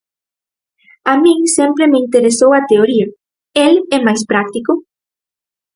A min sempre me interesou a teoría, el é máis práctico.